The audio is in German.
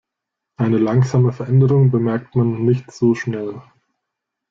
Eine langsame Veränderung bemerkt man nicht so schnell.